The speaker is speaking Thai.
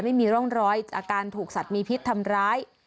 ไม่มีร่องรอยอาการถูกสัตว์มีพิษทำร้าย